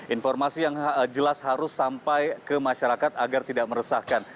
informasi yang jelas harus sampai ke masyarakat agar tidak meresahkan